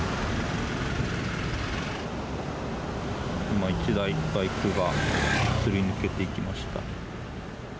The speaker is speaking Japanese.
今、１台バイクがすり抜けていきました。